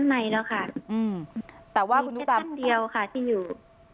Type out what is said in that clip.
มีแค่ท่านเดียวค่ะที่อยู่